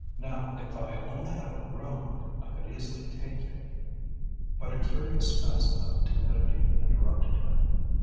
"Now, if I only had a room, I could easily take you " But a curious spasm of timidity interrupted him.